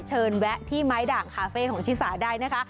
แวะที่ไม้ด่างคาเฟ่ของชิสาได้นะคะ